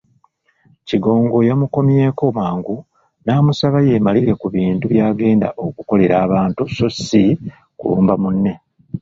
Kigongo yamukomyeko mangu n'amusaba yeemalire ku bintu byagenda okukolera abantu so ssi kulumba munne.